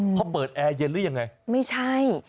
เพราะเปิดแอร์เย็นหรือยังไงไม่ใช่